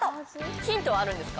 ヒントはあるんですか？